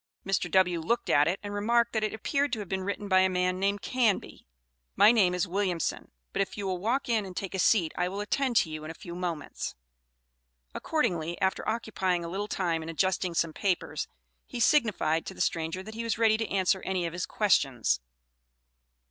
Mr. W. looked at it and remarked that it appeared to have been written by a man named Canby. "My name is Williamson, but if you will walk in and take a seat I will attend to you in a few moments." Accordingly, after occupying a little time in adjusting some papers, he signified to the stranger that he was ready to answer any of his questions.